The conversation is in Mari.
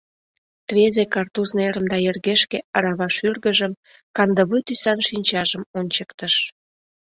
Рвезе картуз нерым да йыргешке арава шӱргыжым, кандывуй тӱсан шинчажым ончыктыш.